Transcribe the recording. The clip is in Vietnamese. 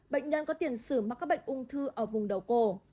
bệnh nhân có tiền sử mắc các bệnh ung thư ở vùng đầu cổ